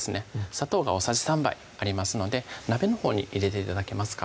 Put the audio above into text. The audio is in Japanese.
砂糖が大さじ３杯ありますので鍋のほうに入れて頂けますか？